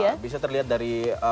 iya bisa terlihat dari